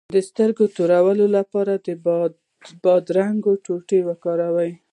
د سترګو د توروالي لپاره د بادرنګ ټوټې وکاروئ